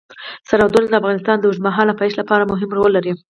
سرحدونه د افغانستان د اوږدمهاله پایښت لپاره مهم رول لري.